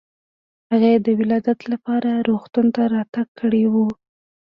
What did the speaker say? هغې د ولادت لپاره روغتون ته راتګ کړی و.